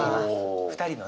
２人のね。